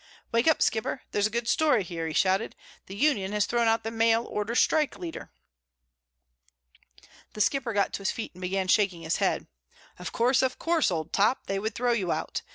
"Wake up, Skipper! There's a good story here!" he shouted. "The union has thrown out the mail order strike leader!" The Skipper got to his feet and began shaking his head. "Of course, of course, Old Top, they would throw you out.